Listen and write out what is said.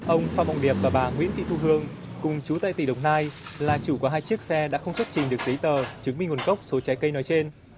ông phạm bộng điệp và bà nguyễn thị thu hương cùng chú tây tỷ đồng nai là chủ của hai chiếc xe đã không chấp trình được giấy tờ chứng minh nguồn cốc số trái cây nói trên